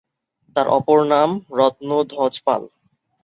তার অপর নাম রত্নধ্বজপাল।